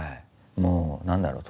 もう何だろう